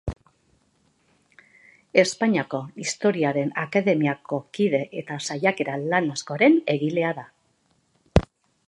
Espainiako Historiaren Akademiako kide eta saiakera lan askoren egilea da.